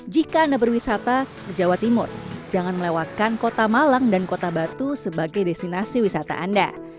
jika anda berwisata ke jawa timur jangan melewatkan kota malang dan kota batu sebagai destinasi wisata anda